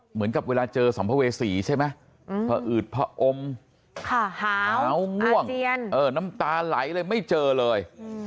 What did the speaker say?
เหมือนกับเวลาเจอสัมภเวษีใช่ไหมพออืดผอม่วงน้ำตาไหลเลยไม่เจอเลย